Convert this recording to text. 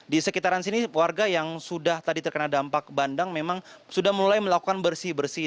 di sekitaran sini warga yang sudah tadi terkena dampak bandang memang sudah mulai melakukan bersih bersih